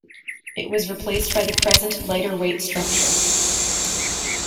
It was replaced by the present lighter-weight structure.